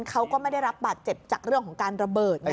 เขาก็ไม่ได้รับบาดเจ็บจากเรื่องของการระเบิดไง